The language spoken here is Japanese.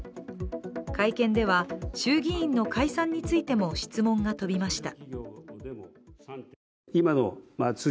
会見では衆議院の解散についても質問が飛びました。